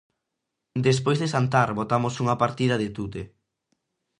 Despois de xantar botamos unha partida de tute.